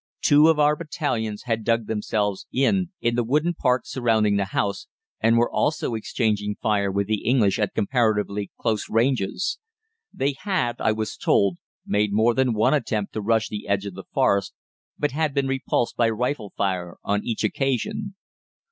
Two of our battalions had dug themselves in in the wooded park surrounding the house, and were also exchanging fire with the English at comparatively close ranges. They had, I was told, made more than one attempt to rush the edge of the Forest, but had been repulsed by rifle fire on each occasion.